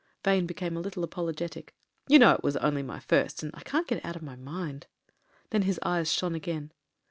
Vane became a little apologetic. "You know it was only my first, and I can't get it out of my mind." Then his eyes shone again.